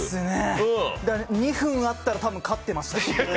２分あったら、多分勝ってましたね。